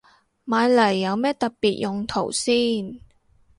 買嚟有咩特別用途先